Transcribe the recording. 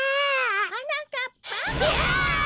はなかっぱ？ギャ！